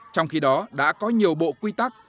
trong khi đó đã có nhiều bộ quy tắc